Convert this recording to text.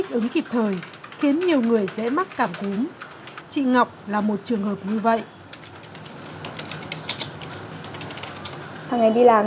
chứ không vào lạnh quá